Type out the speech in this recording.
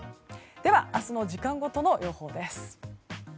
では、明日の時間ごとの予報です。